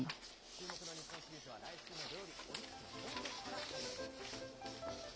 注目の日本シリーズは来週の土曜日、オリックスの本拠地から始まります。